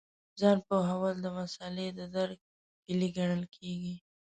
ځان پوهول د مسألې د درک کیلي ګڼل کېږي.